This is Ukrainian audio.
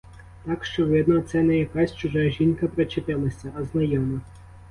Так що, видно, це не якась чужа жінка причепилася, а знайома.